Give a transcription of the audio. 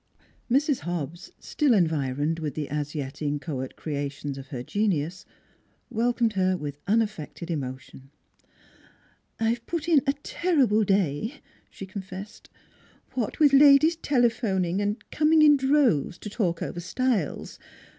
Mrs. Hobbs, still environed with the as yet inchoate creations of her genius, welcomed her with unaffected emotion. " I've put in a terrible day," she confessed. " What with ladies telephoning, and coming in droves to talk over styles. ..